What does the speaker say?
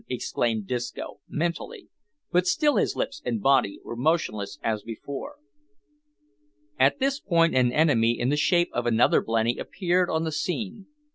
exclaimed Disco, mentally, but still his lips and body were motionless as before. At this point an enemy, in the shape of another blenny, appeared on the scene.